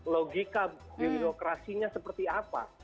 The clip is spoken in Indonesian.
logika birokrasinya seperti apa